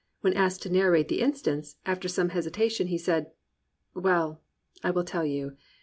When asked to narrate the instance, after some hesitation he said: "Well, I will tell you.